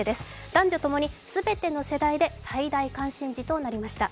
男女ともにすべての世代で最大関心事となりました。